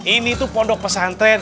ini tuh pondok pesantren